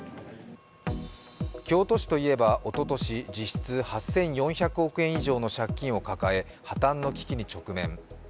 京都市といえば、おととし実質８４００億円以上の借金を抱え破綻の危機に直面。